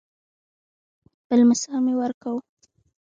بل مثال مې ورکو.